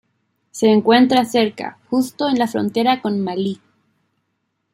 Se encuentra cerca justo en la frontera con Malí.